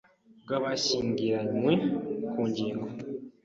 bw abashyingaranywe ku ngingo